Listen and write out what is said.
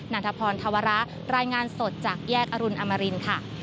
ันทพรธวระรายงานสดจากแยกอรุณอมรินค่ะ